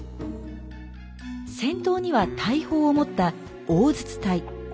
先頭には大砲を持った「大銃隊」。